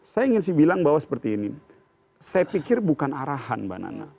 saya ingin sih bilang bahwa seperti ini saya pikir bukan arahan mbak nana